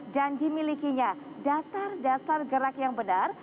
dan dimilikinya dasar dasar gerak yang benar